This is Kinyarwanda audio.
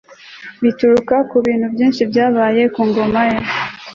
bituruka ku bintu byinshi byabaye ku ngoma ye